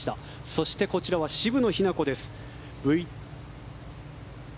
そしてこちらは渋野日向子です。